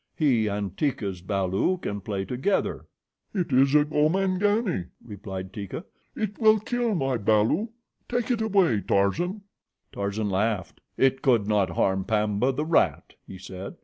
"He and Teeka's balu can play together." "It is a Gomangani," replied Teeka. "It will kill my balu. Take it away, Tarzan." Tarzan laughed. "It could not harm Pamba, the rat," he said.